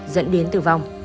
dẫn đến tử vong